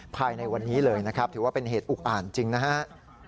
ภายในวันนี้เลยนะครับถือว่าเป็นเหตุอุกอ่านจริงนะครับ